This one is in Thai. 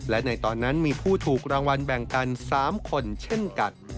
และในตอนนั้นมีผู้ถูกรางวัลแบ่งกัน๓คนเช่นกัน